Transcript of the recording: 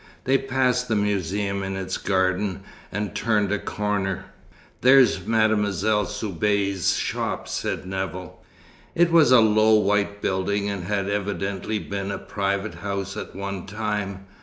They passed the museum in its garden, and turned a corner. "There's Mademoiselle Soubise's shop," said Nevill. It was a low white building, and had evidently been a private house at one time.